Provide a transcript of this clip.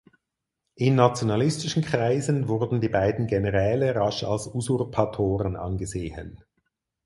In nationalistischen Kreisen wurden die beiden Generäle rasch als Usurpatoren angesehen.